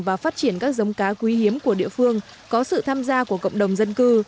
và phát triển các giống cá quý hiếm của địa phương có sự tham gia của cộng đồng dân cư